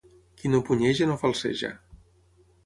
Qui no punyeja no falceja.